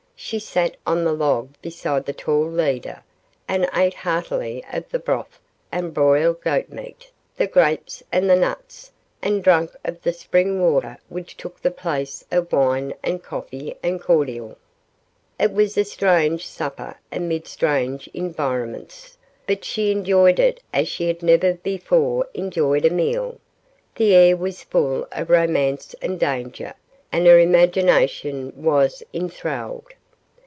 She sat on the log beside the tall leader, and ate heartily of the broth and broiled goatmeat, the grapes and the nuts, and drank of the spring water which took the place of wine and coffee and cordial. It was a strange supper amid strange environments, but she enjoyed it as she had never before enjoyed a meal. The air was full of romance and danger, and her imagination was enthralled.